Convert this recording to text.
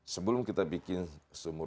sebelum kita bikin sumur